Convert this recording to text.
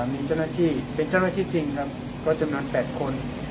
มีเจ้าหน้าที่เป็นเจ้าหน้าที่จริงครับก็จำนวน๘คน